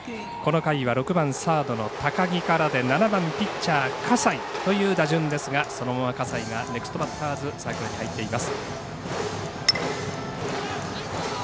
この回は６番サードの高木からで７番ピッチャー葛西という打順ですがそのまま葛西がネクストバッターズサークルに入っています。